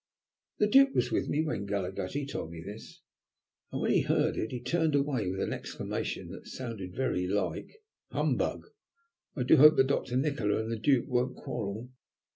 The Duke was with me when Galaghetti told me this, and, when he heard it, he turned away with an exclamation that sounded very like 'humbug!' I do hope that Doctor Nikola and the Duke won't quarrel?"